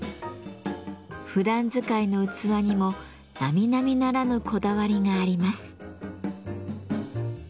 ふだん使いの器にもなみなみならぬこだわりがあります。